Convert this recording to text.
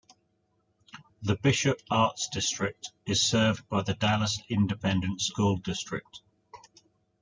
The Bishop Arts District is served by the Dallas Independent School District.